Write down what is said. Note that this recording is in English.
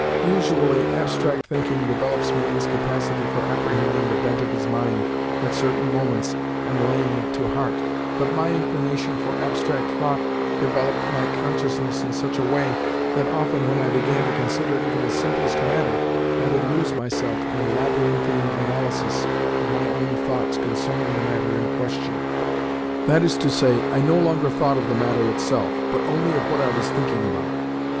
Usually abstract thinking develops man's capacity for apprehending the bent of his mind at certain moments and laying it to heart, but my inclination for abstract thought developed my consciousness in such a way that often when I began to consider even the simplest matter, I would lose myself in a labyrinthine analysis of my own thoughts concerning the matter in question. That is to say, I no longer thought of the matter itself, but only of what I was thinking about it.